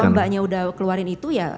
mbaknya udah keluarin itu ya